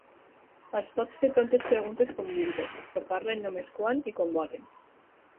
Els pots fer tantes preguntes com vulguis, però parlen només quan i com volen.